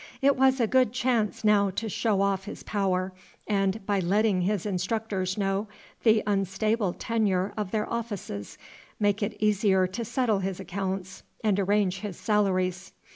It was a good chance now to show off his power, and, by letting his instructors know the unstable tenure of their offices, make it easier to settle his accounts and arrange his salaries.